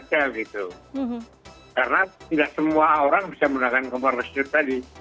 karena tidak semua orang bisa menggunakan kompor listrik tadi